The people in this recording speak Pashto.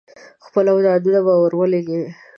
خپل اولادونه به ور ولېږي.